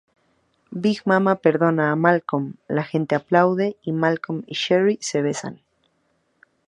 Big Momma perdona a Malcolm, la gente aplaude y Malcolm y Sherry se besan.